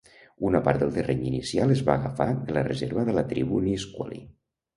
Una part del terreny inicial es va agafar de la reserva de la tribu Nisqually.